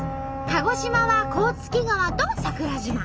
鹿児島は甲突川と桜島。